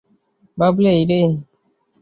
ভাবলে, এই রে!